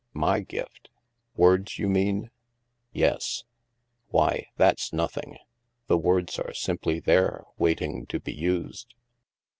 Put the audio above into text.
" My gift? Words, you mean? "" Yes." "Why, that's nothing. The words are simply there, waiting to be used."